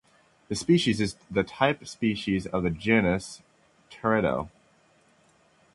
This species is the type species of the genus "Teredo".